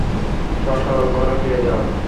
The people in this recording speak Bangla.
স্ব স্ব ঘরে ফিরে যাও।